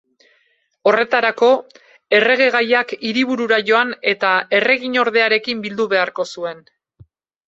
Horretarako, erregegaiak hiriburura joan eta erreginordearekin bildu beharko zuen.